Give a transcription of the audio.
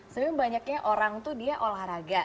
sebenarnya banyaknya orang tuh dia olahraga